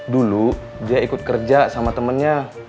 dulu dia ikut kerja sama temennya